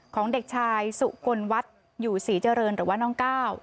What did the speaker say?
ของเด็กชายสุกลวัฒน์อยู่ศรีเจริญหรือว่าน้องก้าว